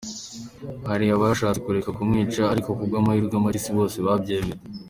Hari abashatse kureka kumwica ariko ku bw’amahirwe make si bose babyemeye.